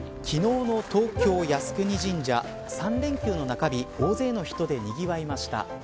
昨日の東京靖国神社３連休の中日大勢の人でにぎわいました。